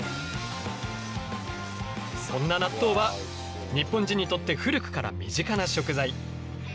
そんな納豆は日本人にとって古くから身近な食材。